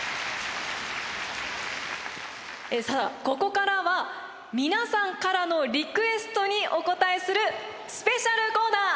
さあここからは皆さんからのリクエストにお応えするスペシャルコーナー